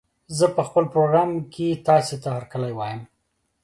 زه په خپل پروګرام کې تاسې ته هرکلی وايم